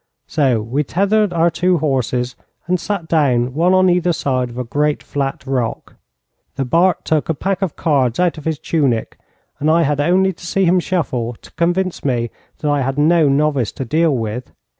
So we tethered our two horses and sat down one on either side of a great flat rock. The Bart took a pack of cards out of his tunic, and I had only to see him shuffle to convince me that I had no novice to deal with.